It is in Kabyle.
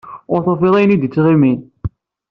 Ur tufiḍ ayen i d-yettɣimin.